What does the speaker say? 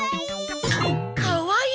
かわいい！